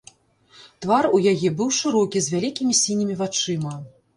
Твар у яе быў шырокі, з вялікімі сінімі вачыма.